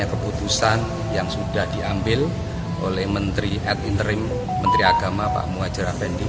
keputusan yang sudah diambil oleh menteri agama pak muwajirah bendi